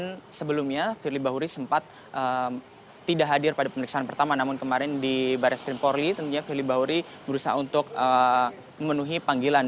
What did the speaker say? namun sebelumnya firly bahuri sempat tidak hadir pada pemeriksaan pertama namun kemarin di baris krim polri tentunya firly bahuri berusaha untuk memenuhi panggilan